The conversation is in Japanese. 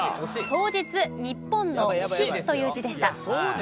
当日日本の「日」という字でした。